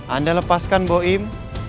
anda lepaskan boim